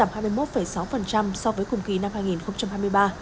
giảm hai mươi một sáu so với cùng kỳ năm hai nghìn hai mươi ba